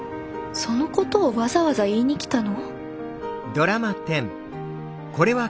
そのことをわざわざ言いに来たの？